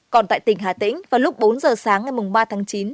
còn tại tỉnh hà tĩnh vào lúc bốn giờ sáng ngày ba tháng chín